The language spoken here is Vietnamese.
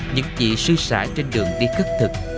những dị sư xã trên đường đi khất thực